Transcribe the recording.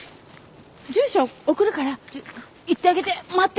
住所送るから行ってあげて。